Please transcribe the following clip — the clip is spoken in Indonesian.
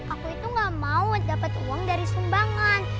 aku itu gak mau dapat uang dari sumbangan